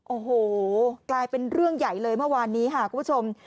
โอ้โหกลายเป็นเรื่องใหญ่เลยเมื่อวานนี้ค่ะคุณผู้ชม